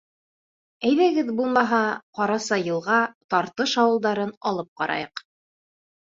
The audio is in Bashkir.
Әйҙәгеҙ, булмаһа, Ҡарасайылға, Тартыш, ауылдарын алып ҡарайыҡ.